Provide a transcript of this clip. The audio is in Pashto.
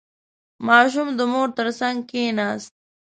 • ماشوم د مور تر څنګ کښېناست.